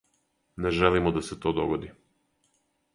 Не желимо да се то догоди.